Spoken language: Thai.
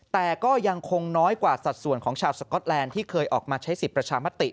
แต่ก็ยังคงน้อยกว่าสัดส่วนของชาวสก๊อตแลนด์ที่เคยออกมาใช้สิทธิ์ประชามติ